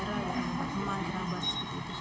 di wa di as di bara di rambas di bukit ibu